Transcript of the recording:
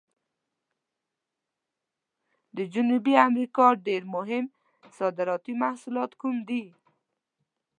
د جنوبي امریکا ډېر مهم صادراتي محصولات کوم دي؟